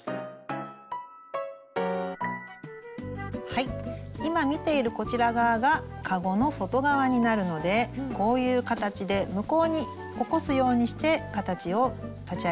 はい今見ているこちら側がかごの外側になるのでこういう形で向こうに起こすようにして形を立ち上げていきます。